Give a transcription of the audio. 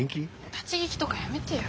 立ち聞きとかやめてよ。